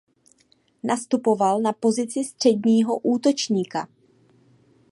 Nastupoval na pozici středního útočníka.